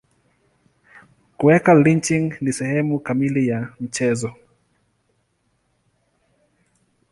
Kuweka lynching ni sehemu kamili ya mchezo.